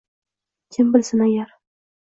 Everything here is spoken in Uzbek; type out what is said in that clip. Kim bilsin agar.